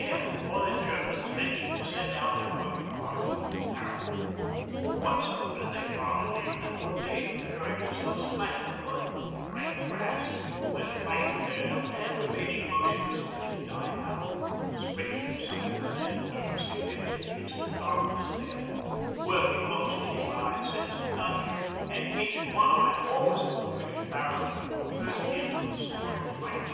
M. before the Germans ventured to send out their working party over the parapet. Once over, they followed the usual routine, throwing themselves flat in the mud and rank grass when a light flared up and remaining motionless until it died out, springing to silent and nervous activity the instant darkness fell, working mostly by sense of touch, and keeping one eye always on the British parapet for the first hint of a soaring light.